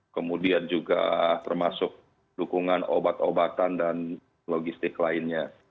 kemudian juga termasuk dukungan obat obatan dan logistik lainnya